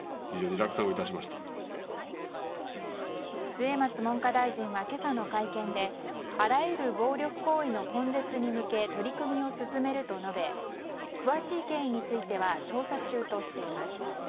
末松文科大臣は今朝の会見であらゆる暴力行為の根絶に向けて取り組みを進めると述べ詳しい経緯については調査中としています。